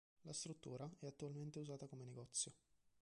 La struttura è attualmente usata come negozio.